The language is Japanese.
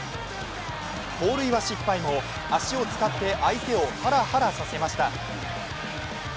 盗塁は失敗も、足を使って相手をハラハラさせました。